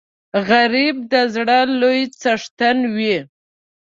غریب د زړه لوی څښتن وي